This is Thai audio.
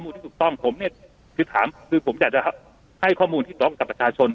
ข้อมูลที่ถูกต้องผมเนี่ยคือผมอยากจะให้ข้อมูลที่ตรงกับประชาชน